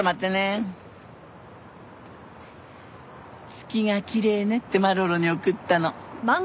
「月がきれいね」ってマロロに送ったの。